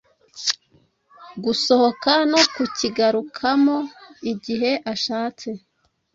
gusohoka no kukigarukamo igihe ashatse.